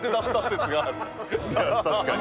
確かに。